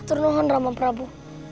ternuhan ramam prabu